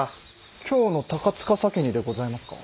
京の鷹司家にでございますか。